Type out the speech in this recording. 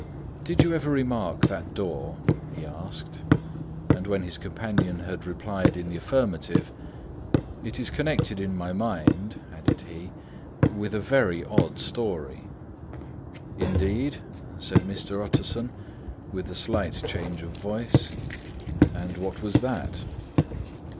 "Did you ever remark that door?" he asked; and when his companion had replied in the affirmative, "It is connected in my mind," added he, "with a very odd story." "Indeed?" said Mr. Utterson, with a slight change of voice, "and what was that?"